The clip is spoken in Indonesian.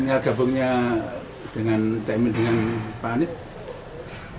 tinggal gabungnya dengan caimin dengan pak anies